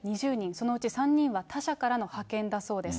そのうち３人は他社からの派遣だそうです。